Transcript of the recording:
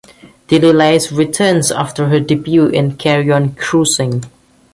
Dilys Laye returns after her debut in "Carry On Cruising".